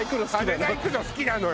羽田行くの好きなのよ